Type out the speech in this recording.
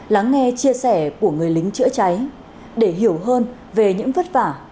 lắng nghe chia sẻ của người lính chữa cháy để hiểu hơn về những vất vả